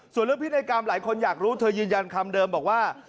ส่วนเรื่องพินัยกรรมหลายคนอยากรู้เธอยืนยันคำเดิมบอกว่า